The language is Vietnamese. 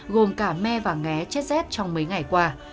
gồm cả me và nghé chết rét trong mấy ngày qua